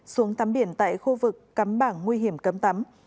xuống tắm biển tại khu vực cắm bảng nguy hiểm cấm tắm